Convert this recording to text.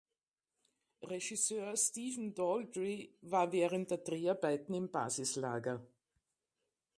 Regisseur Stephen Daldry war während der Dreharbeiten im Basislager.